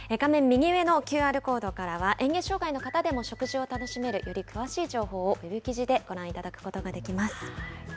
右上のＱＲコードからは、えん下障害の方でも食事を楽しめるより詳しい情報をＷＥＢ記事でご覧いただくことができます。